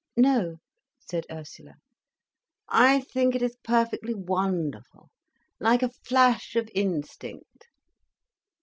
"No," said Ursula. "I think it is perfectly wonderful—like a flash of instinct."